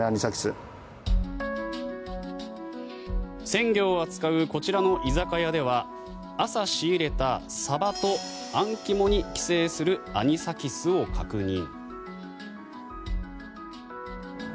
鮮魚を扱うこちらの居酒屋では朝、仕入れたサバとあん肝に寄生するアニサキスを確認。